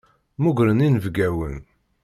Mmugren inebgawen.